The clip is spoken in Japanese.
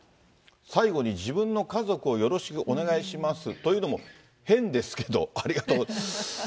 最後に自分の家族をよろしくお願いしますと言うのも変ですけど、ありがとうございました。